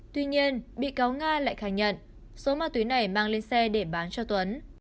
tuy nhiên bị cáo nga lại khai nhận số ma túy này mang lên xe để bán cho tuấn